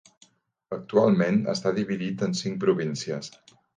Actualment està dividit en cinc províncies.